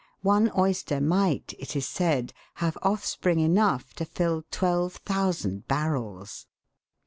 One oyster might, it is said, have offspring enough to fill 12,000 barrels.